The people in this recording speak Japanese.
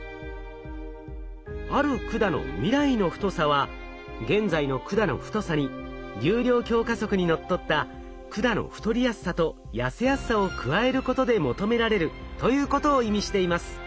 ある管の未来の太さは現在の管の太さに流量強化則に則った管の太りやすさと痩せやすさを加えることで求められるということを意味しています。